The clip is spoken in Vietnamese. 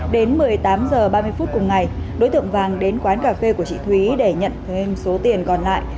đến một mươi tám h ba mươi phút cùng ngày đối tượng vàng đến quán cà phê của chị thúy để nhận thêm số tiền còn lại